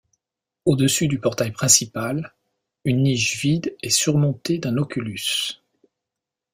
Au-dessus du portail principal, une niche vide est surmontée d'un oculus.